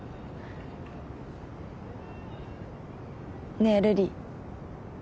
ねえ瑠璃。